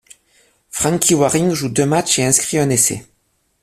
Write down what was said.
Frankie Waring joue deux matchs et inscrit un essai.